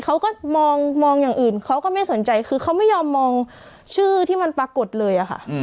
เค้าก็ไม่ยอมมองชื่อมันปรากฏเลย